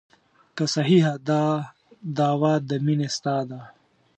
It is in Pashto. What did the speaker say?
که صحیحه دا دعوه د مینې ستا ده.